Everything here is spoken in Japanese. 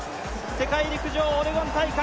世界陸上オレゴン大会